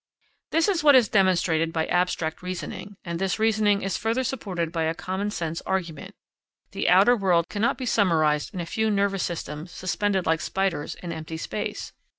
This is what is demonstrated by abstract reasoning, and this reasoning is further supported by a common sense argument. The outer world cannot be summarised in a few nervous systems suspended like spiders in empty space.